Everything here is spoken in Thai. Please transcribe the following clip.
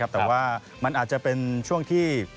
แต่ว่ามันอาจจะเป็นช่วงที่